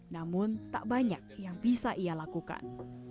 namun tak banyak yang bisa ia lakukan